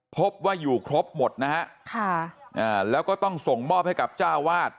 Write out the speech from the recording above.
พบว่าอยู่ครบหมดนะฮะค่ะอ่าแล้วก็ต้องส่งมอบให้กับเจ้าวาด